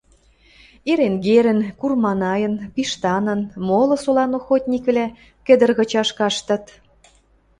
Эренгерӹн, Курманайын, Пиштанын, молы солан охотниквлӓ кӹдӹр кычаш каштыт